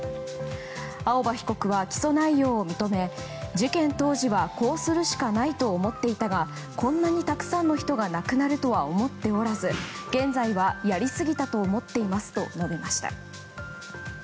青葉被告は起訴内容を認め事件当時はこうするしかないと思っていたがこんなにたくさんの人が亡くなるとは思っておらず現在は、やりすぎたと思っていますと述べました。